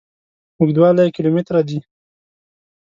اوږدوالي یې کیلو متره دي.